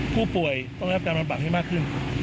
ผู้ป่วยต้องได้รับการบำบัดให้มากขึ้น